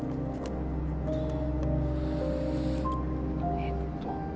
えっと